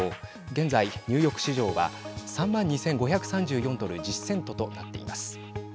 現在、ニューヨーク市場は３万５２３４ドル１０セントとなっています。